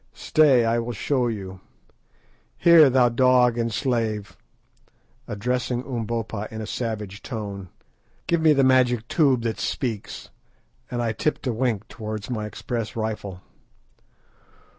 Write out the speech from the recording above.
"Stay, I will show you. Here, thou dog and slave (addressing Umbopa in a savage tone), give me the magic tube that speaks"; and I tipped a wink towards my express rifle.